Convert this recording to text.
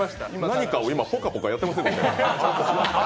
何かを今、ぽかぽかやってませんでした？